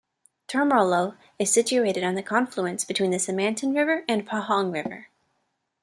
Temerloh is situated on the confluence between Semantan River and Pahang River.